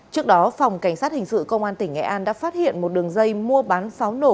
trước đó phòng cảnh sát hình sự công an tỉnh nghệ an đã phát hiện một đường dây mua bán pháo nổ